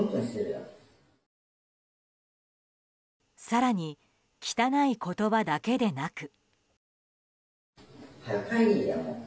更に、汚い言葉だけでなく。